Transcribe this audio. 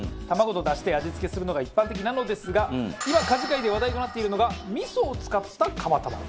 卵とだしで味付けするのが一般的なのですが今、家事界で話題となっているのが味噌を使った釜玉。